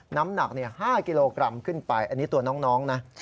น้ำหนัก๕กิโลกรัมขึ้นไปอันนี้ตัวน้องนะ